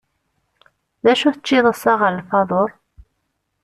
D acu teččiḍ assa ɣer lfeḍur?